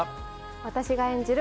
私が演じる